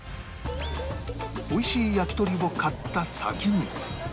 おいしい焼き鳥を買った先に